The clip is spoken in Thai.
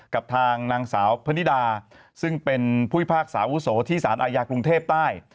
กับทางนางสาวพนิดาซึ่งเป็นผู้พิพากษาวุโสที่สารอาญากรุงเทพใต้